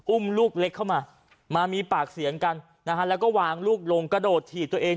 อุ้มลูกเล็กเข้ามามามีปากเสียงกันนะฮะแล้วก็วางลูกลงกระโดดถีบตัวเอง